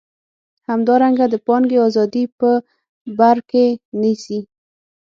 همدارنګه د پانګې ازادي په بر کې نیسي.